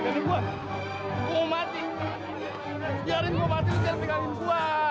biarin lo mati lo jangan pegangin gua